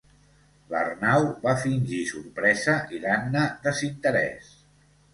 L'Arnau va fingir sorpresa i l'Anna desinterès.